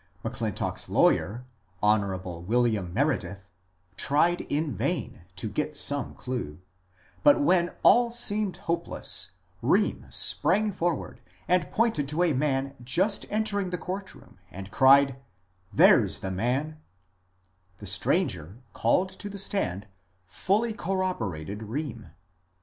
M'Clin tock's lawyer, Hon. William Meredith, tried in vain to get some clue, but when all seemed hopeless Bheem sprang for ward and pointed to a man just entering the court room, and cried, ^^ There 's the man I " The stranger, called to the stand, fully corroborated Rheem.